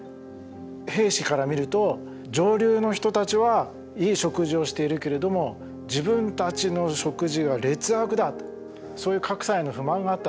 兵士から見ると上流の人たちはいい食事をしているけれども自分たちの食事は劣悪だとそういう格差への不満があったんですね。